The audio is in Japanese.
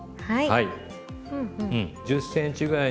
はい。